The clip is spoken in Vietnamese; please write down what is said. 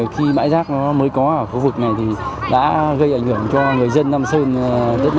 khi bãi rác mới có ở khu vực này thì đã gây ảnh hưởng cho người dân nam sơn rất là